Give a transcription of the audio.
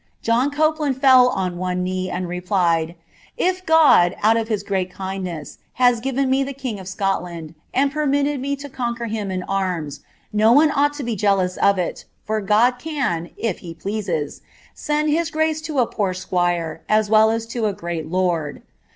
Jchn Copeland fell on one knee, and replied, ^ If God, out of his {leat kindness, has given me the king of Scotland, and permitted me to sofiquer him in arms, no one ought to be jealous of it, for God can, if le pieasea, send his grace to a poor squire, as well as to a great lord.